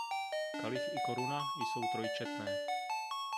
Kalich i koruna jsou trojčetné.